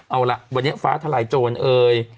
เอาล่ะวันนี้ฟ้าทลายโจรเอ่ย